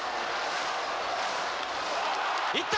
いった！